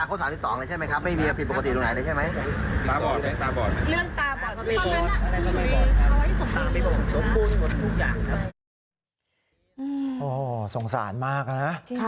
โอ้โหสงสารมากนะ